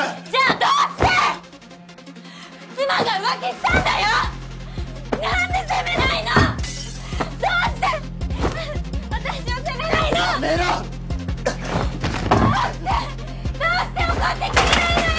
どうしてどうして怒ってくれないのよ！？